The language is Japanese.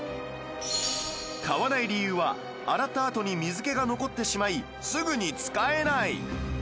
買わない理由は洗ったあとに水気が残ってしまいすぐに使えない